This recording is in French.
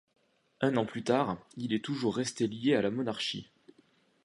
Un an plus tard, Il est toujours resté lié à la monarchie.